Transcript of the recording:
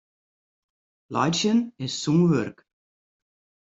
Laitsjen is sûn wurk.